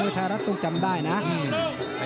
ส่วนคู่ต่อไปของกาวสีมือเจ้าระเข้ยวนะครับขอบคุณด้วย